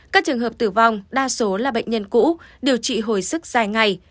các trường hợp tử vong đa số là bệnh nhân cũ điều trị hồi sức dài ngày